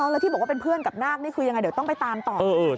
แล้วที่บอกว่าเป็นเพื่อนกับนาคนี่คือยังไงเดี๋ยวต้องไปตามต่อ